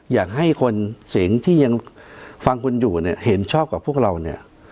อยากให้คนเสียงที่ยังฟังคุณอยู่เนี่ยเห็นชอบกับพวกเราเนี่ย